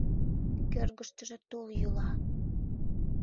Кӧргыштыжӧ тул йӱла.